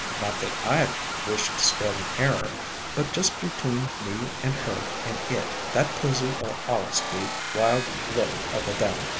Not that I 'd wish to spread an error, but just between me and her and it, that posy '11 allus be Wild Lily o' the Valley."